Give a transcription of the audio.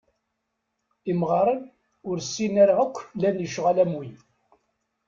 Imɣaren ur ssinen ara akk llan lecɣal am wi.